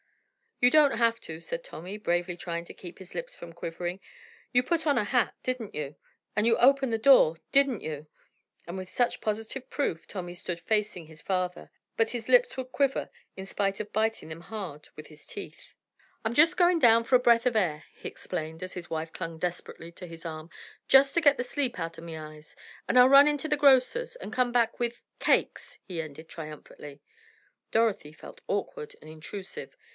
"You don't have to," said Tommy, bravely trying to keep his lips from quivering, "you put on a hat; didn't you? And you opened the door; didn't you?" and with such proof positive Tommy stood facing his father, but his lips would quiver in spite of biting them hard with his teeth. "I'm just goin' down for a breath of air," he explained, as his wife clung desperately to his arm, "just to get the sleep out o' me eyes, and I'll run into the grocer's, and come back with—cakes!" he ended, triumphantly. Dorothy felt awkward and intrusive.